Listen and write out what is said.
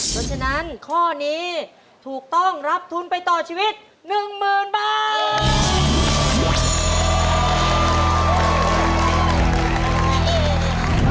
เพราะฉะนั้นข้อนี้ถูกต้องรับทุนไปต่อชีวิต๑๐๐๐บาท